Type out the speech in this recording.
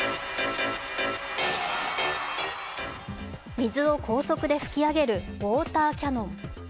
水を高速で噴き上げるウォーターキャノン。